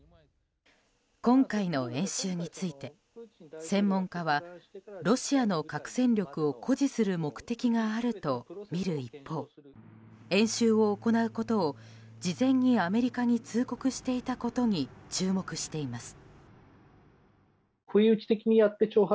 今回の演習について専門家はロシアの核戦力を誇示する目的があるとみる一方演習を行うことを事前にアメリカに通告していたことに注目しています。